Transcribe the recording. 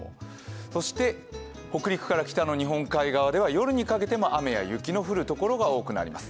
そして北陸から北の日本海側では夜でも雨や雪の降るところが多くなります。